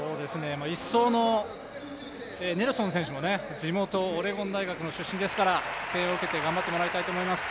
１走のネルソン選手の地元オレゴン大学の出身ですから声援を受けて頑張ってもらいたいと思います。